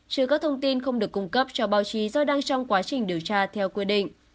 chứa các thông tin không được cung cấp cho báo chí do đang trong quá trình điều tra theo quy định